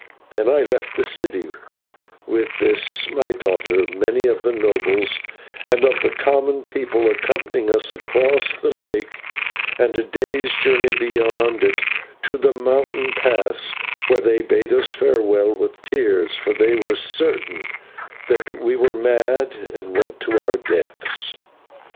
Then I left the city with this my daughter, many of the nobles and of the common people accompanying us across the lake and a day's journey beyond it to the mountain pass, where they bid us farewell with tears, for they were certain that we were mad and went to our deaths.